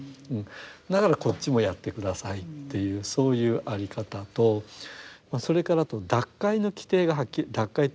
だからこっちもやって下さいっていうそういう在り方とそれから脱会の規定がはっきりしてる。